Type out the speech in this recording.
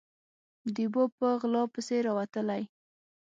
_د اوبو په غلا پسې راوتلی.